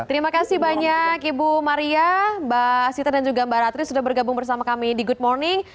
terima kasih banyak ibu maria mbak sita dan juga mbak ratri sudah bergabung bersama kami di good morning